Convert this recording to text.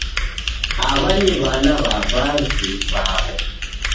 Aw'a ni w'ana na w'avi w'aw'o